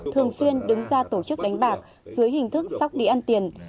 thường xuyên đứng ra tổ chức đánh bạc dưới hình thức sóc đĩa ăn tiền